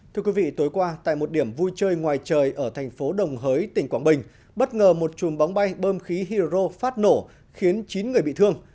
thưa quý vị tối qua tại một điểm vui chơi ngoài trời ở thành phố đồng hới tỉnh quảng bình bất ngờ một chùm bóng bay bơm khí hydro phát nổ khiến chín người bị thương